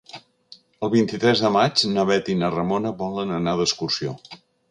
El vint-i-tres de maig na Bet i na Ramona volen anar d'excursió.